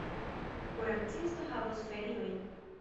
Kuracisto havos feriojn.